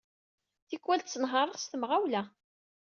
Tikkewal ttenhareɣ s temɣawla.